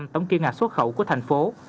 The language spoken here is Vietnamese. tổng ký ngạc xuất khẩu của thành phố